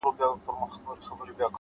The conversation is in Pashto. وخت د ژوند تر ټولو عادل قاضي دی.!